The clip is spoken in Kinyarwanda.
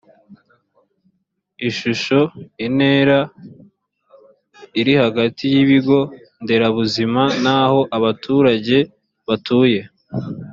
ishusho intera iri hagati y ibigo nderabuzima n aho abaturage batuye